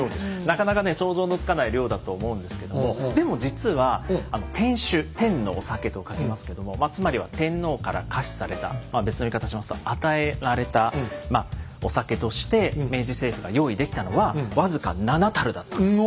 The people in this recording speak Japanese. なかなかね想像のつかない量だと思うんですけどもでも実は天酒「天」の「お酒」と書きますけどもまあつまりはまあ別の言い方しますと与えられたお酒として明治政府が用意できたのは僅か７たるだったんです。